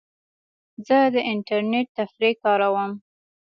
زه د انټرنیټ تفریح کاروم.